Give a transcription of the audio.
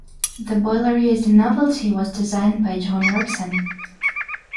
The boiler used on "Novelty" was designed by John Ericsson.